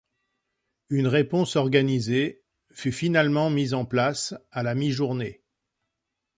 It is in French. Une réponse organisée fut finalement mise en place à la mi-journée.